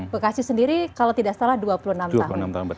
bekasi sendiri kalau tidak salah dua puluh enam tahun